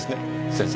先生。